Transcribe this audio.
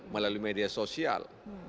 melalui media sosial